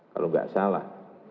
kalau tidak salah